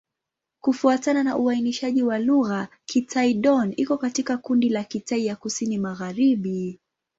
Kufuatana na uainishaji wa lugha, Kitai-Dón iko katika kundi la Kitai ya Kusini-Magharibi.